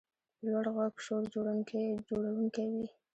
په لوړ غږ شور جوړونکی وي.